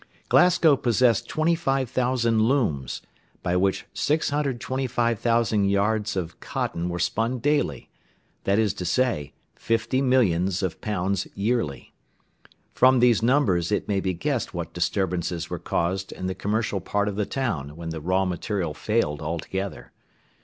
Glasgow possessed 25,000 looms, by which 625,000 yards of cotton were spun daily; that is to say, fifty millions of pounds yearly. From these numbers it may be guessed what disturbances were caused in the commercial part of the town when the raw material failed altogether.